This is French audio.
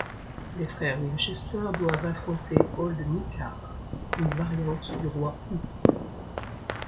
Les frères Winchester doivent affronter Hold Nikar, une variante du Roi Houx.